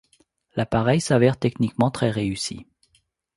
L’appareil s’avère techniquement très réussi.